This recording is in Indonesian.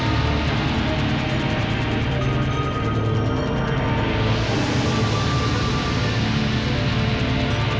sudahlah ayo terus